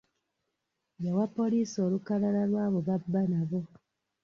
Yawa poliisi olukalala lw'abo b'abba nabo.